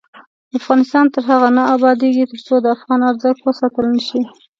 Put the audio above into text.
افغانستان تر هغو نه ابادیږي، ترڅو د افغانۍ ارزښت وساتل نشي.